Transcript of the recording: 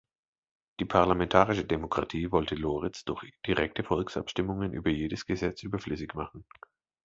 Die parlamentarische Demokratie wollte Loritz durch direkte Volksabstimmungen über jedes Gesetz überflüssig machen.